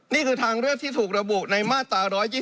นี่คือทางเลือกที่ถูกระบุในมาตรา๑๒๒